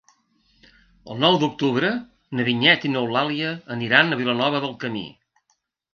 El nou d'octubre na Vinyet i n'Eulàlia aniran a Vilanova del Camí.